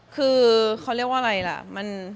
คือเขาเรียกว่าอะไรล่ะ